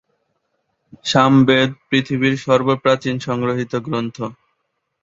সামবেদ পৃথিবীর সর্বপ্রাচীন সংগীত গ্রন্থ।